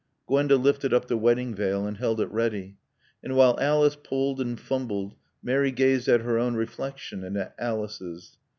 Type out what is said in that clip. Gwenda lifted up the wedding veil and held it ready. And while Alice pulled and fumbled Mary gazed at her own reflection and at Alice's.